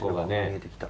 見えてきた。